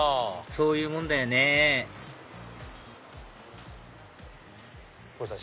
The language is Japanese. そういうもんだよねこひさん